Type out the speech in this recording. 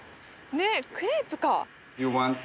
ねっクレープか！